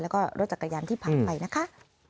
แล้วก็รถจักรยานที่ผ่านไปนะคะ